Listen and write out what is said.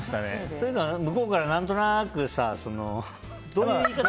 そういうのは向こうから何となくさ。